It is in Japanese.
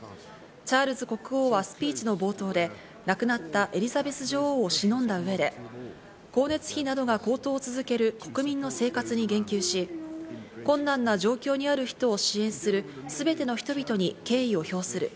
チャールズ国王はスピーチの冒頭で、亡くなったエリザベス女王を偲んだ上で、光熱費などが高騰を続ける国民の生活に言及し、困難な状況にある人を支援するすべての人々に敬意を表する。